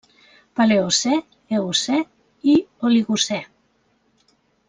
Paleocè, Eocè i Oligocè.